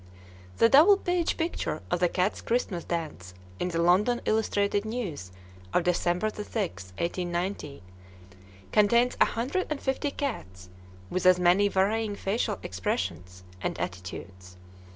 The double page picture of the "Cat's Christmas Dance" in the London Illustrated News of December 6, 1890, contains a hundred and fifty cats, with as many varying facial expressions and attitudes.